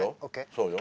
そうよ。